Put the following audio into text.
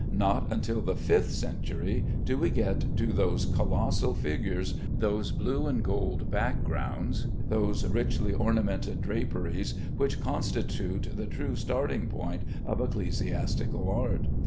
Not until the fifth century do we get to those colossal figures, those blue and gold backgrounds, those richly ornamented draperies, which constitute the true starting point of ecclesiastical art.